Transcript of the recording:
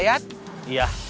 bantu saya sama udan balas dendam